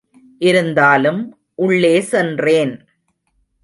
இருந்தாலும் உள்ளே சென்றேன்.